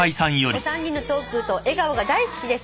お三人のトークと笑顔が大好きです」